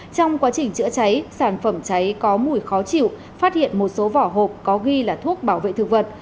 trong quá trình chữa cháy sản phẩm cháy có mùi khó chịu phát hiện một số vỏ hộp có ghi là thuốc bảo vệ thực vật